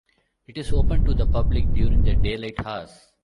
It is open to the public during daylight hours.